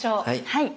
はい。